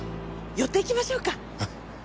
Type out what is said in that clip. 寄っていきましょうか。